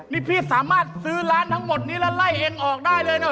นี่พี่สามารถซื้อร้านทั้งหมดนี้แล้วไล่เองออกได้เลยนะ